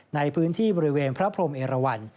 ในพื้นที่บริเวณพระพรมเอราวัน